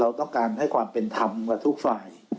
เราต้องการให้ความเป็นธรรมกับทุกฝ่าย